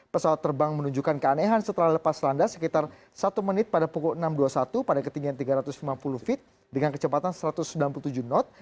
pesawat terbang menunjukkan keanehan setelah lepas landas sekitar satu menit pada pukul enam dua puluh satu pada ketinggian tiga ratus lima puluh feet dengan kecepatan satu ratus sembilan puluh tujuh knot